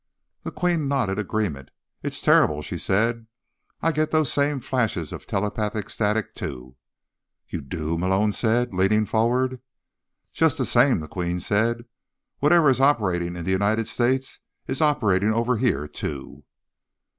The Queen nodded agreement. "It's terrible," she said. "I get those same flashes of telepathic static, too." "You do?" Malone said, leaning forward. "Just the same," the Queen said. "Whatever is operating in the United States is operating over here, too."